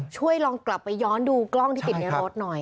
ช่วยลองกลับไปย้อนดูกล้องที่ติดในรถหน่อย